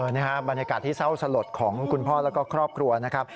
นี่ครับบรรยากาศที่เศร้าสลดของคุณพ่อแล้วก็ครอบครัวนะครับ